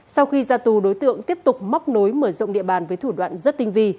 sau khi ra tù đối tượng tiếp tục móc nối mở rộng địa bàn với thủ đoạn rất tinh vi